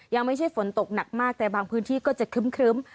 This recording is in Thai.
ยังไม่ใช่ฝนตกหนักมากแต่บางพื้นที่ก็จะครึ้ม